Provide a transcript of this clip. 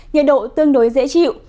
nhiệt độ tương đối dễ chịu